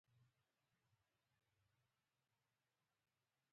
موږ د مازیګر لمونځونه نه وو کړي.